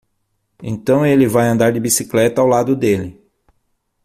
Então ele vai andar de bicicleta ao lado dele!